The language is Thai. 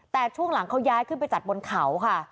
แต่ช่วงหลังเขาย้ายขึ้นไปจัดบนเขาค่ะ